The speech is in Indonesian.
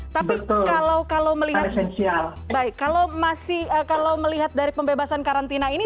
tapi kalau melihat dari pembebasan karantina ini